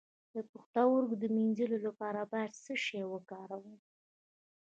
د پښتورګو د مینځلو لپاره باید څه شی وکاروم؟